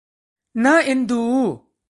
น่าเอ็นดู